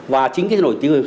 và chính cái nổi tiếng